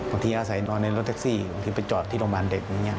ที่อาศัยนอนในรถแท็กซี่บางทีไปจอดที่โรงพยาบาลเด็กอย่างนี้